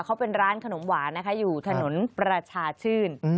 เขาเป็นร้านขนมหวานนะคะอยู่ถนนประชาชื่น